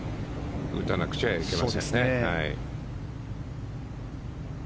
打たなくちゃいけませんね。